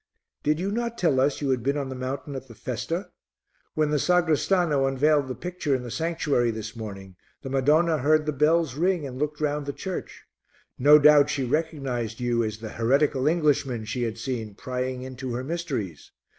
"Did you not tell us you had been on the Mountain at the festa? When the sagrestano unveiled the picture in the sanctuary this morning, the Madonna heard the bells ring and looked round the church; no doubt she recognized you as the heretical Englishman she had seen prying into her mysteries.